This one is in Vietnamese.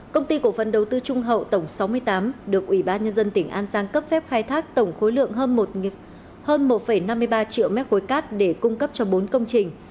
công ty cổ phần đầu tư trung hậu tổng sáu mươi tám được ủy ban nhân dân tỉnh an giang cấp phép khai thác tổng khối lượng hơn một năm mươi ba triệu mét khối cát để cung cấp cho bốn công trình